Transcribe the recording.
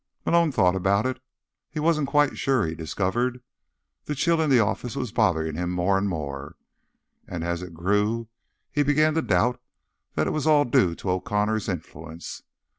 Malone thought about it. He wasn't quite sure, he discovered. The chill in the office was bothering him more and more, and as it grew he began to doubt that it was all due to the O'Connor influence.